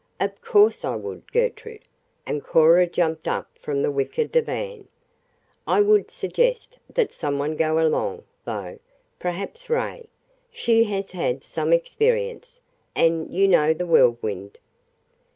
"Of course I would, Gertrude," and Cora jumped up from the wicker divan. "I would suggest that some one go along, though perhaps Ray. She has had some experience, and you know the Whirlwind."